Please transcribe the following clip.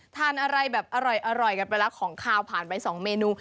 ทานอะไรแบบอร่อยกันไปแล้วของขาวผ่านไป๒เมนู